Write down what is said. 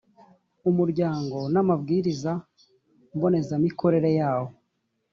umuryango n amabwiriza mbonezamikorere yawo